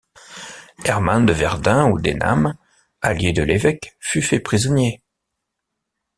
Herman de Verdun ou d'Ename, allié de l'évêque fut fait prisonnier.